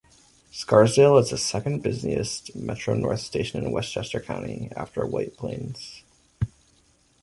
Scarsdale is the second busiest Metro-North station in Westchester County, after White Plains.